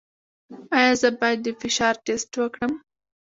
ایا زه باید د فشار ټسټ وکړم؟